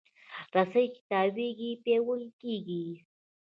رسۍ چې تاوېږي، پیاوړې کېږي.